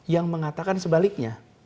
yang mengatakan sebaliknya